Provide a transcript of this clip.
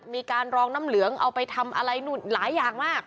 มีการรองน้ำเหลืองเอาไปทำอะไรนู่นหลายอย่างมาก